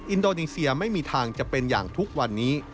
อินโดนีเซียไม่มีทางจะเป็นอย่างทุกวันนี้